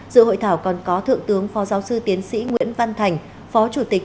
dự hội thảo còn có thượng tướng phó giáo sư tiến sĩ nguyễn văn thành phó chủ tịch